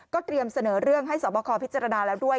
เตรียมเสนอเรื่องให้สอบคอพิจารณาแล้วด้วย